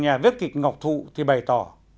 nhà viết kịch ngọc thụ bày tỏ